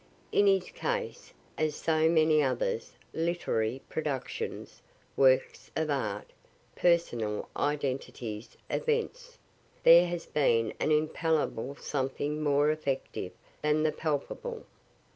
In his case (as so many others, literary productions, works of art, personal identities, events,) there has been an impalpable something more effective than the palpable.